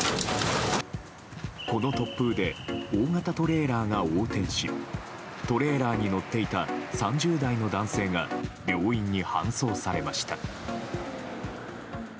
この突風で大型トレーラーが横転しトレーラーに乗っていた３０代の男性が病院に搬送されました。